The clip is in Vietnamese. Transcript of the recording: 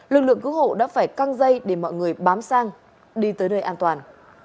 lực lượng cứu hộ đã phải căng dây để mọi người bám đi tới nơi an toàn